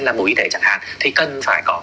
là bộ y tế chẳng hạn thì cần phải có